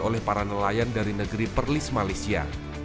oleh para nelayan dari negeri perlis malaysia